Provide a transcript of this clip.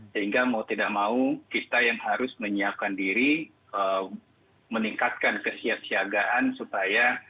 sehingga mau tidak mau kita yang harus menyiapkan diri meningkatkan kesiapsiagaan supaya